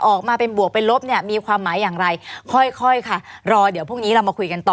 ออกมาเป็นบวกเป็นลบเนี่ยมีความหมายอย่างไรค่อยค่อยค่ะรอเดี๋ยวพรุ่งนี้เรามาคุยกันต่อ